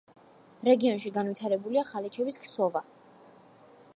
რეგიონში განვითარებულია ხალიჩების ქსოვა.